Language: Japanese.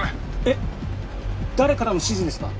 えっ誰からの指示ですか？